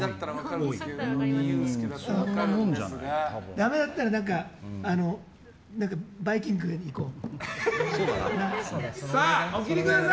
ダメだったらバイキングに行こう。